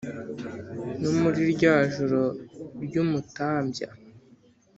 No muri rya joro ry'umutambya